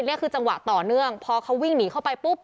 นี่คือจังหวะต่อเนื่องพอเขาวิ่งหนีเข้าไปปุ๊บ